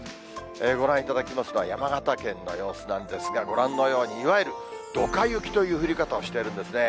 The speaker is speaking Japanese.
ご覧いただきますのは山形県の様子なんですが、ご覧のように、いわゆるドカ雪という降り方をしているんですね。